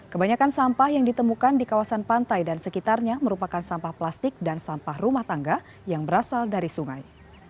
kebanyakan sampah yang ditemukan di kawasan pantai dan sekitarnya merupakan sampah plastik dan sampah rumah tangga yang berasal dari sungai